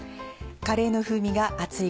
カレーの風味が暑い